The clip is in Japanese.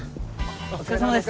お疲れさまです